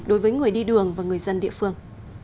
đối với người đi đường và người dân địa phương